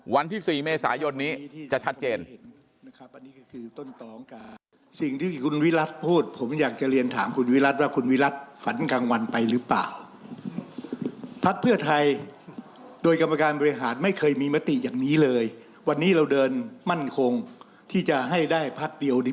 วันที่๔เมษายนนี้จะชัดเจนนะครับ